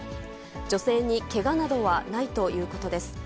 女性にけがなどはないということです。